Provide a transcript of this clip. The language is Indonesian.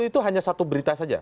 itu hanya satu berita saja